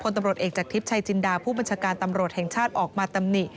ตำรวจเอกจากทริปชัยจินดาผู้บัญชาการตำรวจแห่งชาติออกมาตำหนิ